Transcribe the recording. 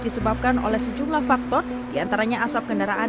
disebabkan oleh sejumlah faktor diantaranya asap kendaraan